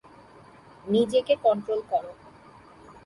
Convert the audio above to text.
নিজেকে কন্ট্রোল করো।